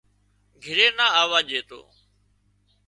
گھرِي نا آووا ڄيتو